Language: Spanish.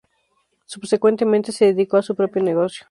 Subsecuentemente se dedicó a su propio negocio.